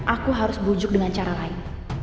aku harus bujuk dengan cara lain